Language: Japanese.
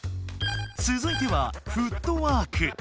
つづいては「フットワーク」。